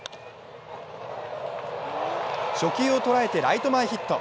初球を捉えてライト前ヒット。